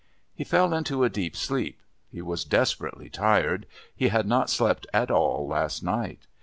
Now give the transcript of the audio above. He fell into a deep sleep; he was desperately tired; he had not slept at all last night.